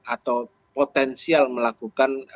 atau potensial melakukan